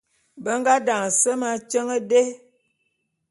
Be nga daňe semé atyeň dé.